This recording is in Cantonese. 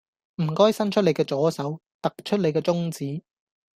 唔該伸出你嘅左手，突出你嘅中指